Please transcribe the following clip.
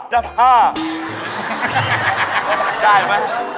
ได้ไหม